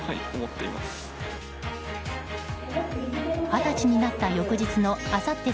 二十歳になった翌日のあさって